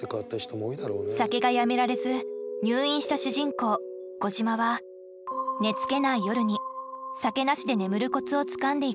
酒がやめられず入院した主人公小島は寝つけない夜に酒なしで眠るコツをつかんでいく。